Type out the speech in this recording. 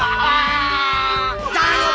jangan obat obatan barengan